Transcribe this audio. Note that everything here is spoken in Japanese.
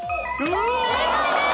正解です！